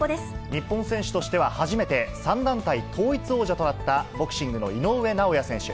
日本選手としては初めて、３団体統一王者となったボクシングの井上尚弥選手。